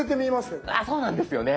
そうなんですよね。